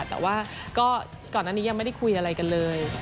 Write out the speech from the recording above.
แต่ว่าก็ก่อนอันนี้ยังไม่ได้คุยอะไรกันเลย